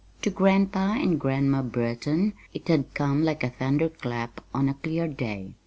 To Grandpa and Grandma Burton it had come like a thunderclap on a clear day.